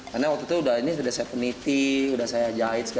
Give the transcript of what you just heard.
karena waktu itu sudah ini sudah saya peniti saya jahit